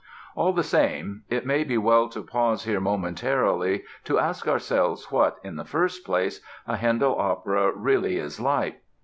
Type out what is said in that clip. All the same, it may be well to pause here momentarily to ask ourselves what, in the first place, a Handel opera really is like.